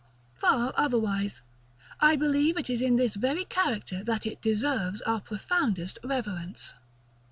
Far otherwise: I believe it is in this very character that it deserves our profoundest reverence.